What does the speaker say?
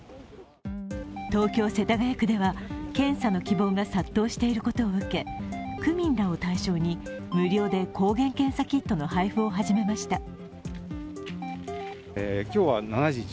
東京・世田谷区では、検査の希望が殺到していることを受け区民らを対象に無料で抗原検査キットの配布を始めました。